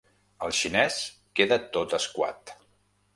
El xinès queda tot escuat.